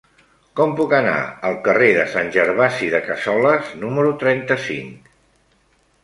Com puc anar al carrer de Sant Gervasi de Cassoles número trenta-cinc?